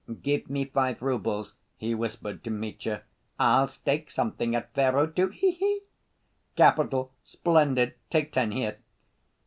"Give me five roubles," he whispered to Mitya. "I'll stake something at faro, too, he he!" "Capital! Splendid! Take ten, here!"